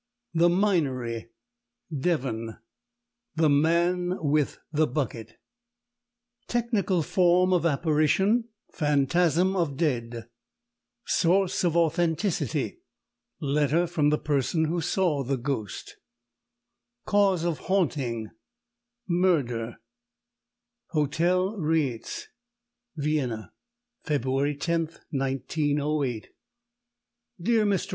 THE MINERY, DEVON THE MAN WITH THE BUCKET Technical form of apparition: Phantasm of dead Source of authenticity: Letter from the person who saw the ghost Cause of haunting: Murder HOTEL RIETZ, VIENNA. Feb. 10, 1908. DEAR MR.